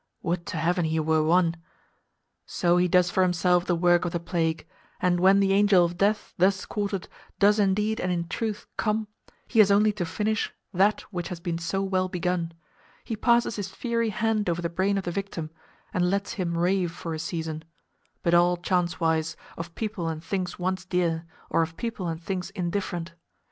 —would to Heaven he were one! So he does for himself the work of the plague, and when the Angel of Death, thus courted, does indeed and in truth come, he has only to finish that which has been so well begun; he passes his fiery hand over the brain of the victim, and lets him rave for a season, but all chance wise, of people and things once dear, or of people and things indifferent.